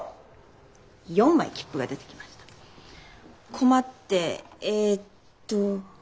困って「えっと」。